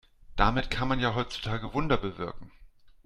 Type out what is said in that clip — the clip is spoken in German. Damit kann man ja heutzutage Wunder bewirken.